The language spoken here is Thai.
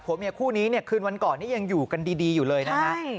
ผัวเมียคู่นี้คืนวันก่อนยังอยู่กันดีอยู่เลยนะครับ